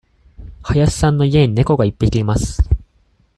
林さんの家に猫が一匹います。